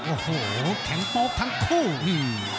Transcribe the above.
โอ้โหแข็งโป๊กทั้งคู่ฮือ